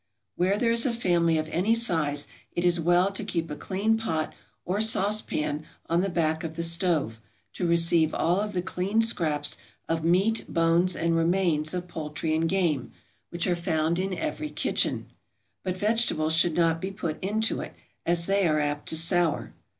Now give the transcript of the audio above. Where there is a family of any size it is well to keep a clean pot or sauce pan on the back of the stove to receive all the clean scraps of meat, bones, and remains of poultry and game, which are found in every kitchen; but vegetables should not be put into it, as they are apt to sour.